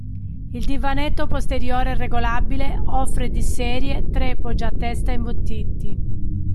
Il divanetto posteriore regolabile offre di serie tre poggiatesta imbottiti.